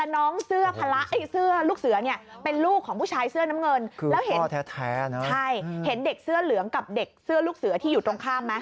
เด็กเสื้อลูกเสื้อที่อยู่ตรงข้ามนะ